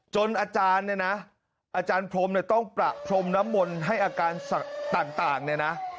อาจารย์เนี่ยนะอาจารย์พรมเนี่ยต้องประพรมน้ำมนต์ให้อาการต่างเนี่ยนะ